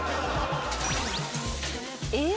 えっ？